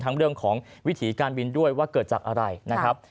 เรื่องของวิถีการบินด้วยว่าเกิดจากอะไรนะครับ